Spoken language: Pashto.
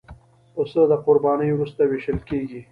پسه د قربانۍ وروسته وېشل کېږي.